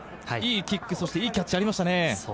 いいキック、そして良いキャッチがありましたね。